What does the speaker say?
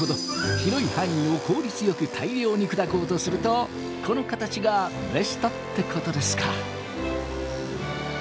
広い範囲を効率よく大量に砕こうとするとこの形がベストってことですか。